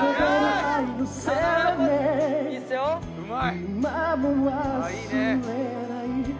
うまい！